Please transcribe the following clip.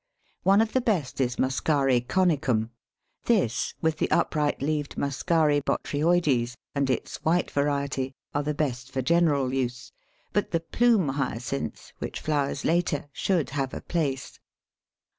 One of the best is M. conicum; this, with the upright leaved M. botryoides, and its white variety, are the best for general use, but the Plume Hyacinth, which flowers later, should have a place.